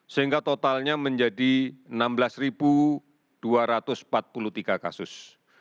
sehingga totalnya menjadi enam belas dua ratus empat puluh tiga kasus